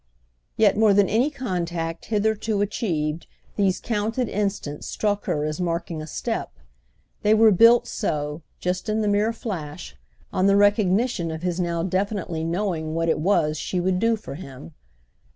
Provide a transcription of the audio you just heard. Yet more than any contact hitherto achieved these counted instants struck her as marking a step: they were built so—just in the mere flash—on the recognition of his now definitely knowing what it was she would do for him.